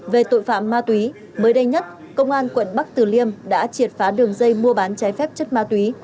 về tội phạm ma túy mới đây nhất công an quận bắc tử liêm đã triệt phá đường dây mua bán trái phép chất ma túy